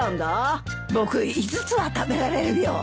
僕５つは食べられるよ。